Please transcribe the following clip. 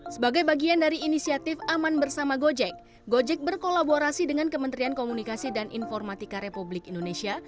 sebagai bagian dari inisiatif aman bersama gojek gojek berkolaborasi dengan kementerian komunikasi dan informatika republik indonesia